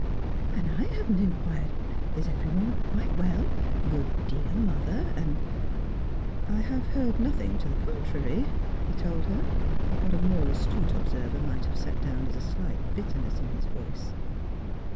And I haven't inquired — is everyone quite well — your dear mother and —"" I have heard nothing to the con trary," he told her, with what a more astute observer might have set down as a slight bitterness in his voice.